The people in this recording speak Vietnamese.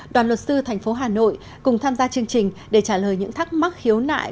đoàn luật sư thành phố hà nội cùng tham gia chương trình để trả lời những thắc mắc khiếu nại